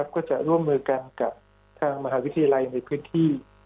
ก็จะร่วมมือกันกับทางมหาวิทยาลัยในพื้นที่